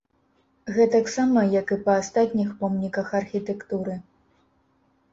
Гэтаксама як і па астатніх помніках архітэктуры.